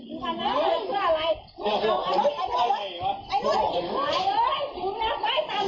น่าไปตามทุกขั้นเจ็บไปเลยไปให้หรุ้นให้แม่มันสู้กัน